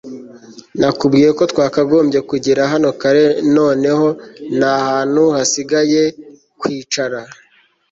Nakubwiye ko twakagombye kugera hano kare Noneho ntahantu hasigaye kwicara